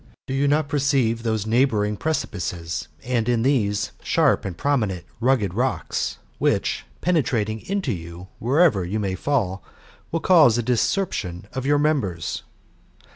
Do you not perceive those Neighbouring precipices, and, in these, sharp and prominent rugged rocks, which, penetrating into you wherever you may fan, will cause a discerption of your members